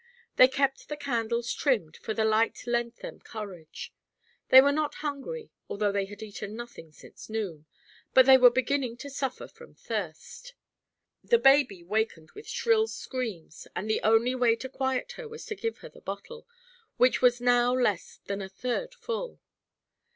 They kept the candles trimmed, for the light lent them courage. They were not hungry, although they had eaten nothing since noon, but they were beginning to suffer from thirst. The baby wakened with shrill screams and the only way to quiet her was to give her the bottle, which was now less than a third full.